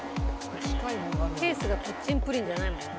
ケースがプッチンプリンじゃないもんな。